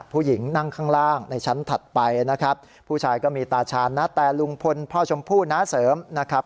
ผู้หญิงนั่งข้างล่างในชั้นถัดไปนะครับผู้ชายก็มีตาชาญนะแต่ลุงพลพ่อชมพู่น้าเสริมนะครับ